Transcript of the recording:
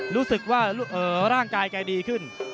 รู้สึกว่าร่างกายแกดีขึ้น